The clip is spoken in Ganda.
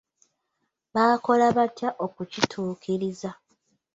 Baakola baatya okukituukiriza?